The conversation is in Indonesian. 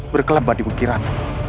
berkelembar di kukiran